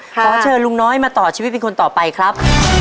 ขอเชิญลุงน้อยมาต่อชีวิตเป็นคนต่อไปครับ